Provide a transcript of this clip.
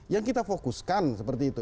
yang kita fokuskan seperti itu